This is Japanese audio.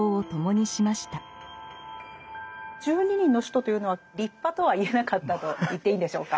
十二人の使徒というのは立派とは言えなかったと言っていいんでしょうか？